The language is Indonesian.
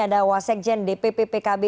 ada wasek jen dpp pkb